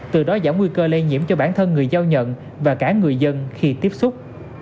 từ đó giảm nguy cơ lây nhiễm cho bản thân người giao nhận và cả người dân khi tiếp xúc